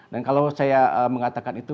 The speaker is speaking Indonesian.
dan kalau saya mengatakan itu